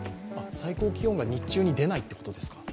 最高気温が日中に出ないということですか。